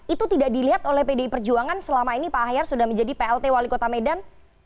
itu tidak dilihat oleh pdi perjuangan selama ini pak ahyar sudah menjadi plt wali kota medan